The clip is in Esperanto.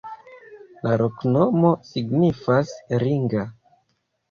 La loknomo signifas: ringa.